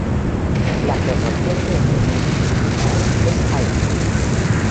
La proporción de endemismos vegetales es alta.